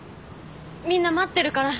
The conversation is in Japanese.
みんな待ってるから。